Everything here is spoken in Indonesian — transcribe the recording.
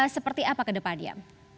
seperti apa ke depan ya